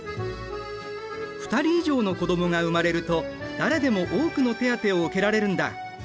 ２人以上の子どもが産まれると誰でも多くの手当を受けられるんだ。